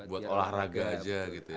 buat olahraga aja gitu ya